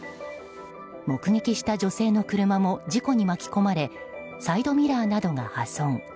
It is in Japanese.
目撃した女性の車も事故に巻き込まれサイドミラーなどが破損。